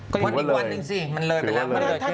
ก็ยังอีกวันหนึ่งสิมันเลยไปแล้ว